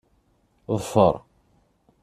Ḍfer.